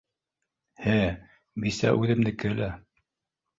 - һе, бисә үҙемдеке лә